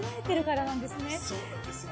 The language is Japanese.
そうなんですよ。